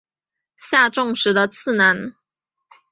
下重实的次男。